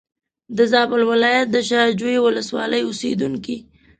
د زابل ولایت د شا جوی ولسوالۍ اوسېدونکی.